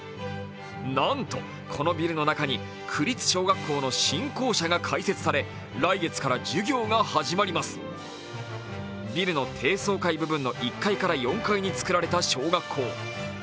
なんとこのビルの中に区立小学校の新校舎が開設され、ビルの低層階部分の１階から４階に作られた小学校。